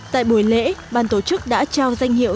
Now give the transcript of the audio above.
tại buổi lễ ban tổ chức đã trao danh hiệu